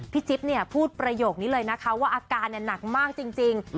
จิ๊บเนี่ยพูดประโยคนี้เลยนะคะว่าอาการหนักมากจริง